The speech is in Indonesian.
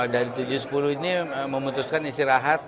dari tujuh sepuluh ini memutuskan istirahat